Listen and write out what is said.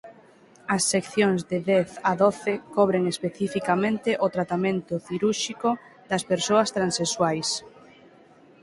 As seccións de dez a doce cobren especificamente o tratamento cirúrxico das persoas transexuais.